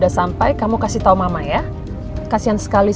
emang ternyata di ikuti